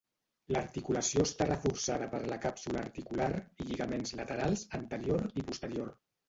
L'articulació està reforçada per la càpsula articular i lligaments laterals, anterior i posterior.